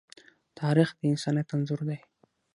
تاریخ د انسانیت انځور دی.